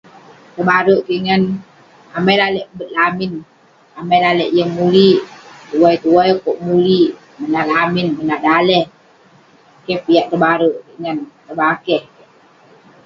Tebare kik ngan, amai lalek bet lamin, amai lalek yeng mulik. Tuai tuai kok mulik menat lamin, menat daleh. Keh piak tebare kek ngan ireh bakeh kek.